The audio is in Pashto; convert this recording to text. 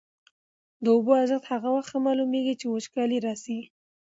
د اوبو ارزښت هغه وخت ښه معلومېږي چي وچکالي راسي.